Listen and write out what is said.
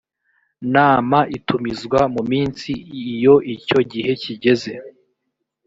nama itumizwa mu minsi iyo icyo gihe kigeze